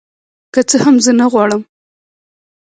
که څه هم زه نغواړم